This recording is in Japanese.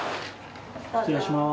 失礼します。